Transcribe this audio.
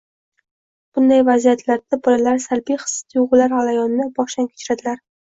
Bunday vaziyatlarda bolalar salbiy his-tuyg‘ular g‘alayonini boshdan kechiradilar.